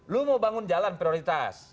lo mau bangun jalan prioritas